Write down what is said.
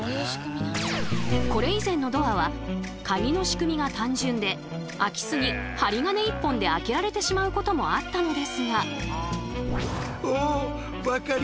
これ以前のドアはカギの仕組みが単純で空き巣に針金１本で開けられてしまうこともあったのですが。